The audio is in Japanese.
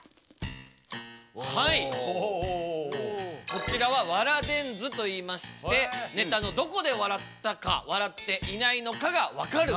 こちらは「笑電図」といいましてネタのどこで笑ったか笑っていないのかがわかる。